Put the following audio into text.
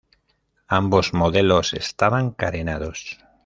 Ambos modelos estaban carenados.